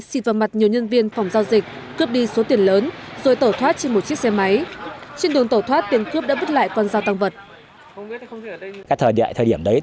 xịt vào mặt nhiều nhân viên phòng giao dịch cướp đi số tiền lớn rồi tẩu thoát trên một chiếc xe máy